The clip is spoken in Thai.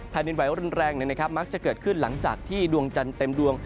แผ่นดินไหวรุนแรงมักจะเกิดขึ้นหลังจากที่ดวงจันทร์เต็มดวง